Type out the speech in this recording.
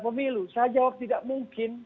pemilu saya jawab tidak mungkin